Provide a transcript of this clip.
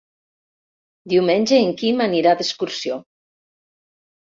Diumenge en Quim anirà d'excursió.